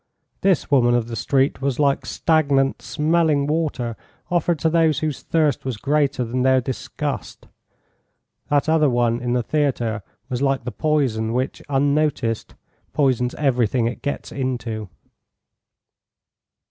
This woman of the street was like stagnant, smelling water offered to those whose thirst was greater than their disgust; that other one in the theatre was like the poison which, unnoticed, poisons everything it gets into."